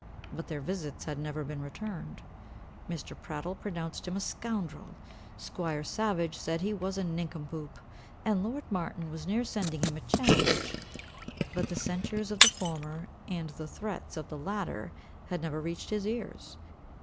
But their visits had never been returned. Mr. Prattle pronounced him a scoundrel; squire Savage said he was a nincompoop; and lord Martin was near sending him a challenge. But the censures of the former, and the threats of the latter, had never reached his ears.